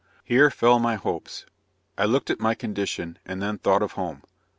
Here fell my hopes I looked at my condition, and then thought of home.